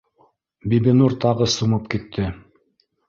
Бибинур тағы сумып китте